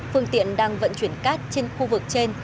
phương tiện đang vận chuyển cát trên khu vực trên